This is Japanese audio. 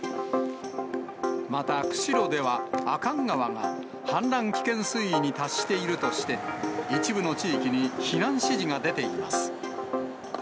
また、釧路では阿寒川が氾濫危険水位に達しているとして、一部の地域に避難指示が出ています。